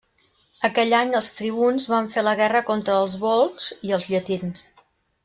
Aquell any els tribuns van fer la guerra contra els volscs i els llatins.